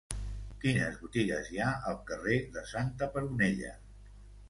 Quines botigues hi ha al carrer de Santa Peronella?